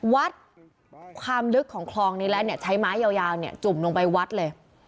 วัดความลึกของคลองนี้แล้วใช้ไม้ยาวจุ่มลงไปวัดเลย